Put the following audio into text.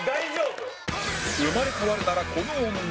生まれ変わるならこの女